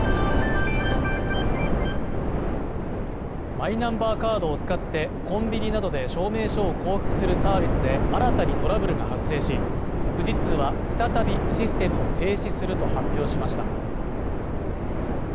マイナンバーカードを使ってコンビニなどで証明書を交付するサービスで、新たにトラブルが発生し、富士通は再びシステムを停止すると発表しました。